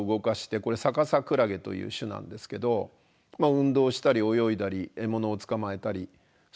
これサカサクラゲという種なんですけど運動したり泳いだり獲物を捕まえたりそういうことができるわけなんですが。